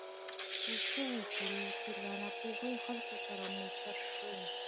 خو څه وکړو چې له ناپوهه خلکو سره مو سر شوی.